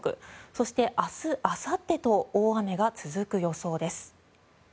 そして、明日あさってと大雨が続く予想です。